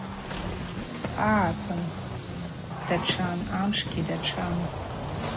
Агӏапын датшан, амшгьи датшан.